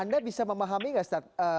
anda bisa memahami nggak start